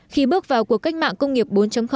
khi bước vào cuộc cách mạng công nghiệp bốn